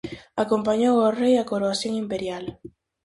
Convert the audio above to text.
Acompañou o rei á coroación imperial.